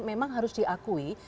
memang harus diakui